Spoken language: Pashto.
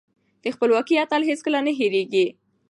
د خپلواکۍ اتل هېڅکله نه هيريږي.